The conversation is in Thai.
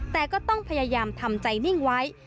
แต่ก็ต้องพยายามทำใจนิ่งไว้